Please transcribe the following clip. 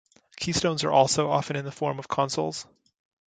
Keystones are also often in the form of consoles.